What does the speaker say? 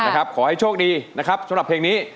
ขอให้โชคดีนะครับสำหรับเพลงนี้